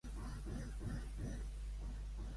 Aviat podrem plantar els llagostins d'Ibarra